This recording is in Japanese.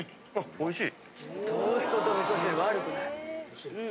おいしい。